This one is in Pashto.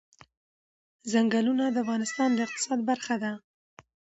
ځنګلونه د افغانستان د اقتصاد برخه ده.